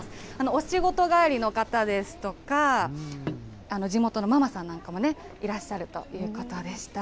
お仕事帰りの方ですとか、地元のママさんなんかもいらっしゃるということでした。